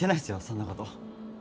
そんなこと。